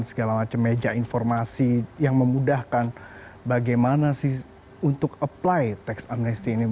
segala macam meja informasi yang memudahkan bagaimana sih untuk apply teks amnesty ini